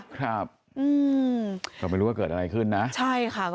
ครับก็ไม่รู้ว่าเกิดอะไรขึ้นนะ